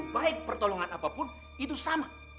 baik pertolongan apapun itu sama